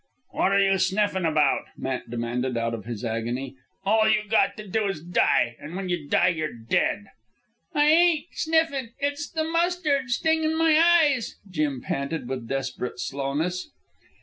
"What are you snifflin' about?" Matt demanded out of his agony. "All you got to do is die. An' when you die you're dead." "I... ain't... snifflin'... it's... the... mustard... stingin'... my... eyes," Jim panted with desperate slowness.